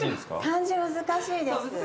漢字難しいです。